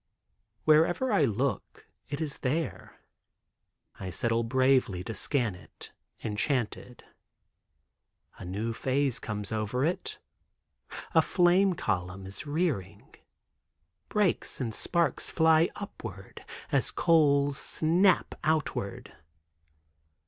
Wherever I look it is there. I settle bravely to scan it, enchanted. A new phase comes over it. A flame column is rearing; breaks and sparks fly upward as coals snap outward.